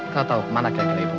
kau tahu ke mana kek ribu